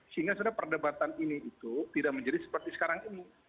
sehingga sebenarnya perdebatan ini itu tidak menjadi seperti sekarang ini